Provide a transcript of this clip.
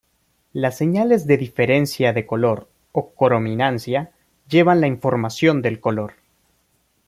Las señales de diferencia de color o crominancia llevan la información del color.